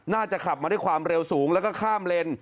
น่าจะขับมาด้วยความเร็วสูงแล้วก็ข้ามเลน